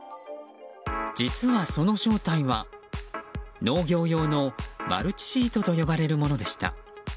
実はその正体は農業用のマルチシートと呼ばれるものでした。